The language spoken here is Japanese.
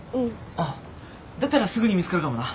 あっだったらすぐに見つかるかもな。